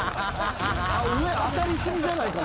上当たり過ぎじゃないかな。